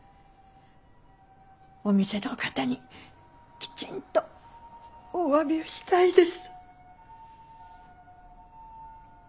お店の方にきちんとおわびをしたいです。